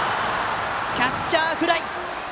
キャッチャーフライ！